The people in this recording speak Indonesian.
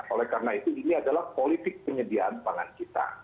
oleh karena itu ini adalah politik penyediaan pangan kita